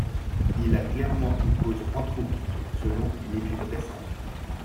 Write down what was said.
Il a clairement une cause anthropique selon une étude récente.